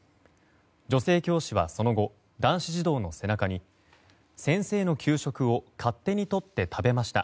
女性教師はその後男子児童の背中に先生の給食を勝手に取って食べました。